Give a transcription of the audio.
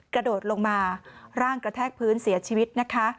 กระโดดลงมาร่างกระแทกพื้นเสียชีวิตนะคะ